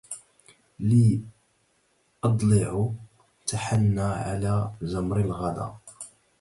لي أضلع تحنى على جمر الغضا